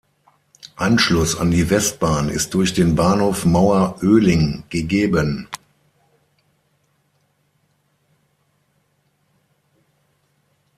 Anschluss an die Westbahn ist durch den Bahnhof Mauer-Oehling gegeben.